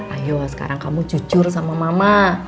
ayo sekarang kamu jujur sama mama